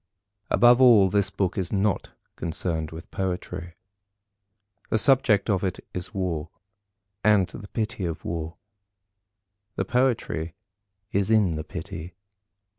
Above all, this book is not concerned with Poetry. The subject of it is War, and the pity of War. The Poetry is in the pity.